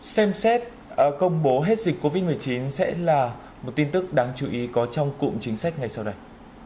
xem xét công bố hết dịch covid một mươi chín sẽ là một tin tức đáng chú ý có trong cụm chính sách ngay sau đây